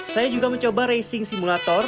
saya juga mencoba racing simulator